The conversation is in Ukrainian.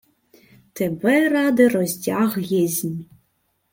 — Тебе ради роздяг єсмь.